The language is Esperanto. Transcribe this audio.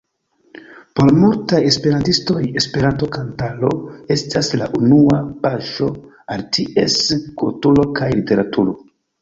Por multaj esperantistoj Esperanto-kantaro estas la unua paŝo al ties kulturo kaj literaturo.